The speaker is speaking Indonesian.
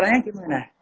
ini tuh gimana